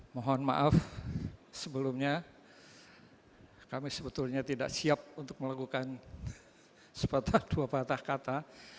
mohon maaf sebelumnya kami sebetulnya tidak siap untuk melakukan sepatah dua patah kata